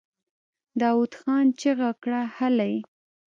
داوود خان چيغه کړه! هلئ!